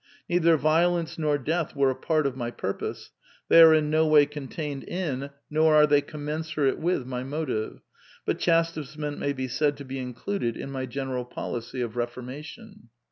Neither violence nor death were a part of my purpose ; they are in no way contained in, nor are they commensurate with my motive ; but chas tisement may be said to be included in my general policy of reformation.